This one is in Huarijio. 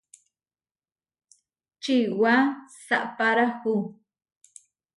Čiwá saʼpárahu.